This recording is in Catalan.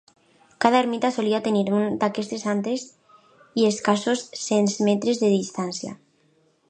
Cada ermità solia tenir un d'aquests antres a escassos cent metres de distància.